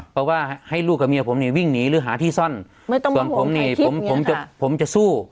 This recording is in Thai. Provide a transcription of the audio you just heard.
เพราะว่าให้ลูกกับเมียผมนี่วิ่งหนีหรือหาที่ซ่อนไม่ต้องมาห่วงถ่ายคลิปอย่างเงี้ยค่ะส่วนผมนี่ผมจะสู้